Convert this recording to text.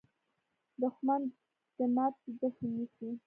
دښمن د ماتې جشن نیسي